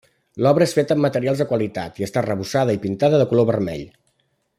L'obra és feta amb materials de qualitat i està arrebossada i pintada de color vermell.